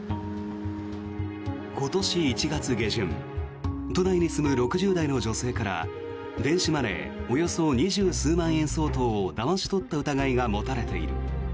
今年１月下旬都内に住む６０代の女性から電子マネーおよそ２０数万円相当をだまし取った疑いが持たれている。